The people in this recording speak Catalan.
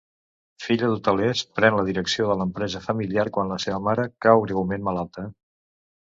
Filla d'hotelers, pren la direcció de l'empresa familiar quan la seva mare cau greument malalta.